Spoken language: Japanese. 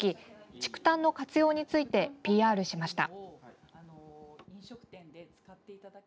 竹炭の活用についてＰＲしました。